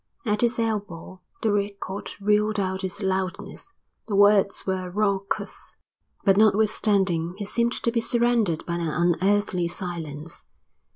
At his elbow the record reeled out its loudness, the words were raucous, but notwithstanding he seemed to be surrounded by an unearthly silence.